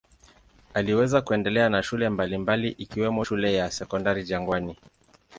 Aliweza kuendelea na shule mbalimbali ikiwemo shule ya Sekondari Jangwani.